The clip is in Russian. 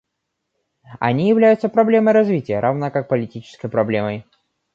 Они являются проблемой развития, равно как политической проблемой».